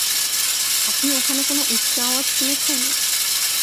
আপনি ওখানে কোন উচ্চ আওয়াজ শুনেছেন?